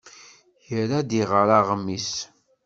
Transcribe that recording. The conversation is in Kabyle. Ira ad iɣer aɣmis.